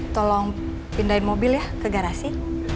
tolong pindahin mobil ya ke garasi